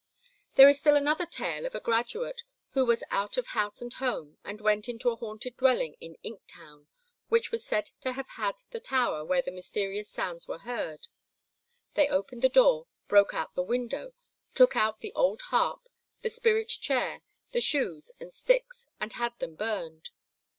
There is still another tale of a graduate who was out of house and home and went into a haunted dwelling in Ink Town, which was said to have had the tower where the mysterious sounds were heard. They opened the door, broke out the window, took out the old harp, the spirit chair, the shoes and sticks, and had them burned.